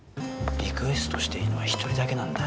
リクエストしていいのは１人だけなんだ。